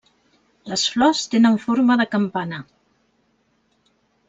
Les flors tenen forma de campana.